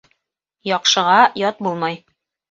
Яҡшыға ят булмай